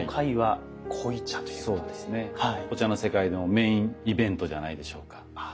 お茶の世界でもメインイベントじゃないでしょうか。